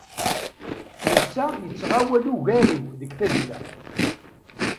Netta yettɣawal ugar-iw deg tazzla.